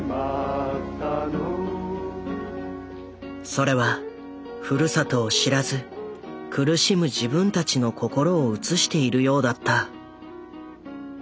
それはふるさとを知らず苦しむ自分たちの心を映しているようだった。